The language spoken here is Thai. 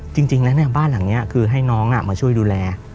จริงจริงแล้วเนี้ยบ้านหลังเนี้ยคือให้น้องอ่ะมาช่วยดูแล